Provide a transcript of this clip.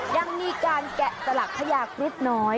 ยังมีการแกะสลักขยากนิดน้อย